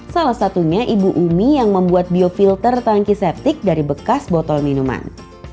salah satunya ibu umi yang membuat biofilter tangki septik dari bekas botol minuman